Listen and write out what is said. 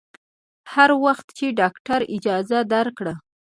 هر وخت چې ډاکتر اجازه درکړه.